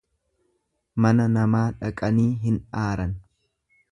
Mana namaa dhaqanii hin aaran.